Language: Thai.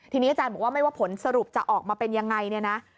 ทีนี้อาจารย์บอกว่าไม่ว่าผลสรุปจะออกมาเป็นยังไงเนี่ยนะ